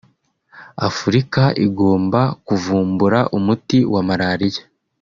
“…Afurika igomba kuvumbura umuti wa Maraliya